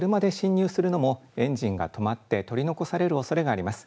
そして車で侵入するのもエンジンが止まって取り残されるおそれがあります。